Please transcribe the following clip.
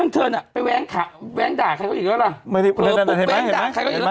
เผยพวกแว้นด่าใครเขาอยู่แล้ว